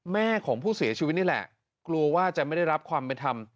แม่ของผู้เสียชีวิตนี่แหละกลัวว่าจะไม่ได้รับความเป็นธรรม